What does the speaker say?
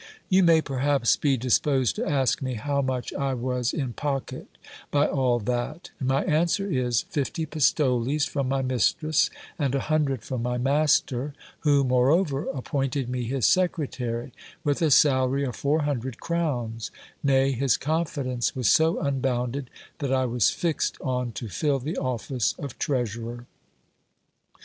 You may perhaps be disposed to ask me, how much I was in pocket by all that ; and my answer is, fifty pistoles from my mistress, and a hundred from my master, who, moreover, appointed me his secretary, with a salary of four hun SCIPiaS STORY. 385 dred crowns ; nay, his confidence was so unbounded, that I was fixed on to fill the office of treasurer.